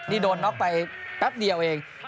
นี่โดนน็อกไปแป๊บเดียวเอง